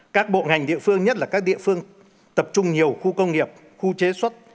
các bộ ngành địa phương nhất là các địa phương tập trung nhiều khu công nghiệp khu chế xuất